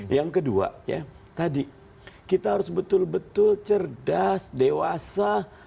yang kedua ya tadi kita harus betul betul cerdas dewasa